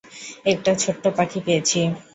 একটা ছোট্ট পাখি পেয়েছি।